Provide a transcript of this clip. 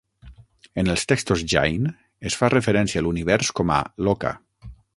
En els textos Jain, es fa referència a l'univers com a Loka.